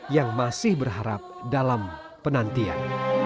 yang masih berharap dalam penantian